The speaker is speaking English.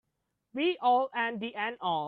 Be-all and the end-all